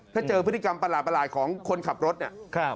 ถ้าเจอพฤติกรรมประหลาดของคนขับรถเนี่ย